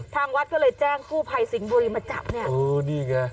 ทางวัดก็เลยแจ้งกู้ภัยสิงบุรีมาจับเนี่ย